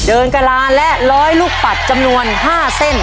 เดินกระลานและร้อยลูกปัดจำนวน๕เส้น